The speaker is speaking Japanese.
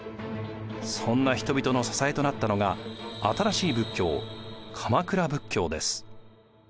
そんな人々の支えとなったのが新しい仏教鎌倉仏教です。